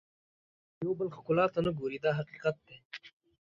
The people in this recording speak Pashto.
د یو بل ښکلا ته نه ګوري دا حقیقت دی.